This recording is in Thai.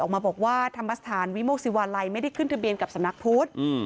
ออกมาบอกว่าธรรมสถานวิโมกศิวาลัยไม่ได้ขึ้นทะเบียนกับสำนักพุทธ